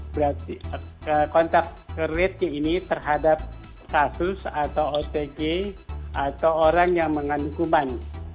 berarti kontak rate ini terhadap kasus atau otg atau orang yang mengandung kuman